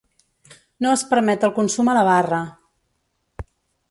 No es permet el consum a la barra.